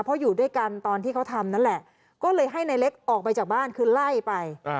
เพราะอยู่ด้วยกันตอนที่เขาทำนั่นแหละก็เลยให้นายเล็กออกไปจากบ้านคือไล่ไป